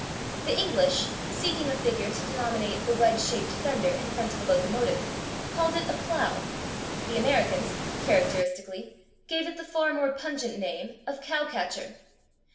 The English, seeking a figure to denominate the wedge shaped fender in front of a locomotive, called it a /plough/; the Americans, characteristically, gave it the far more pungent name of /cow catcher